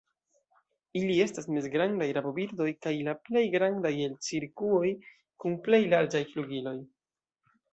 Ili estas mezgrandaj rabobirdoj kaj la plej grandaj el cirkuoj, kun plej larĝaj flugiloj.